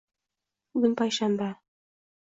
Bugun payshanba.